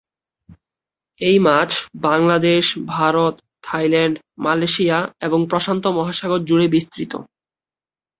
এই মাছ Bangladesh, Bharat, Thailand, Malaysia এবং প্রশান্ত মহাসাগর জুড়ে বিস্তৃত।